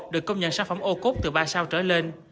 được công nhận sản phẩm ô cốt từ ba sao trở lên